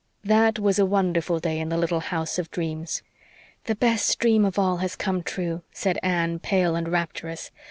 That was a wonderful day in the little house of dreams. "The best dream of all has come true," said Anne, pale and rapturous.